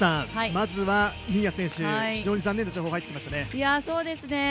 まずは、新谷選手、非常に残念な情報が入ってきましたね。